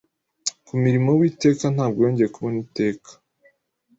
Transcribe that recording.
kumurimo witekaNtabwo yongeye kubona Iteka